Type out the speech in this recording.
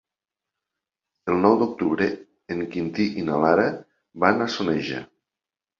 El nou d'octubre en Quintí i na Lara van a Soneja.